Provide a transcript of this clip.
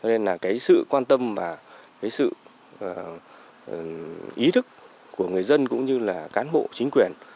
nên là cái sự quan tâm và cái sự ý thức của người dân cũng như là cán bộ chính quyền